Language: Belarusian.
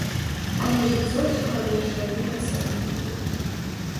Але жыццё чалавечае неацэннае.